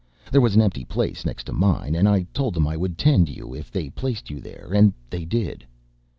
There was an empty place next to mine and I told them I would tend you if they placed you there, and they did.